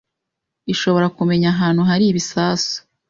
ishobora kumenya ahantu hari ibisasu